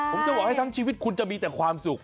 ผมจะบอกให้ทั้งชีวิตคุณจะมีแต่ความสุข